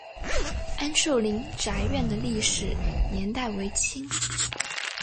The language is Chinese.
安寿林宅院的历史年代为清。